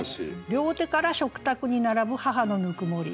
「両手から食卓に並ぶ母の温もり」。